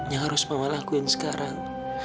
yang harus bapak lakuin sekarang